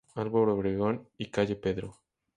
Álvaro Obregón y Calle Pedro.